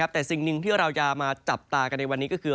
แต่สิ่งหนึ่งที่เราจะมาจับตากันในวันนี้ก็คือ